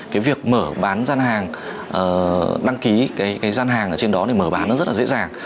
cái việc mở bán gian hàng đăng ký cái gian hàng ở trên đó để mở bán nó rất là dễ dàng